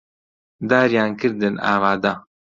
داریان کردن ئامادە